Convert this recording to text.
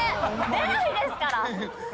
出ないですから。